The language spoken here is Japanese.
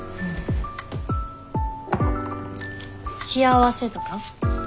幸せとか？